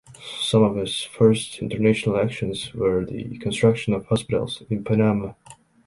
Some of his first international actions were the construction of hospitals in Panama.